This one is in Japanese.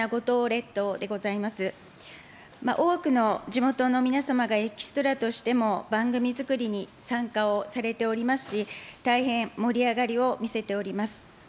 多くの地元の皆様がエキストラとしても、番組作りに参加をされておりますし、大変盛り上がりを見せております。